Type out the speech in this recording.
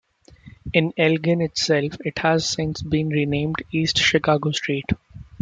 In Elgin itself, it has since been renamed East Chicago Street.